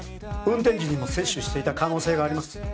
運転時にも摂取していた可能性があります